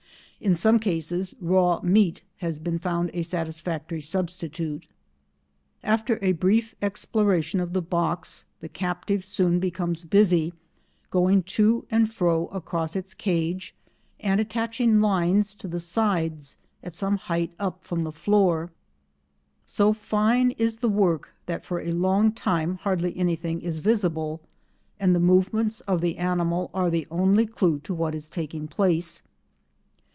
In some cases raw meat has been found a satisfactory substitute. After a brief exploration of the box the captive soon becomes busy, going to and fro across its cage and attaching lines to the sides at some height up from the floor. So fine is the work that for a long time hardly anything is visible, and the movements of the animal are the only clue to what is taking place.